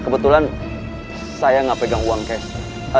kebetulan saya nggak pegang uang cash